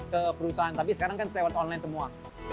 ke perusahaan tapi sekarang kan lewat online semua